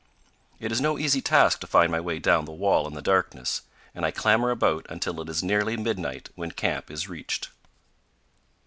It is no easy task to find my way down the wall in the darkness, and I clamber about until it is nearly midnight when camp is reached.